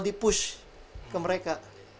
di push ke mereka